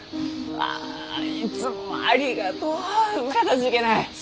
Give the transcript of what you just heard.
あいつもありがとう！かたじけない！